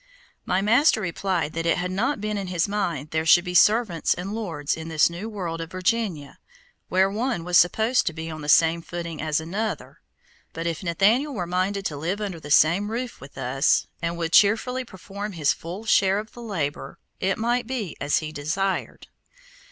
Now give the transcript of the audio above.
My master replied that it had not been in his mind there should be servants and lords in this new world of Virginia, where one was supposed to be on the same footing as another; but if Nathaniel were minded to live under the same roof with us, and would cheerfully perform his full share of the labor, it might be as he desired.